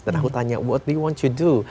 dan aku tanya what do you want to do